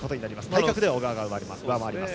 体格では小川が上回ります。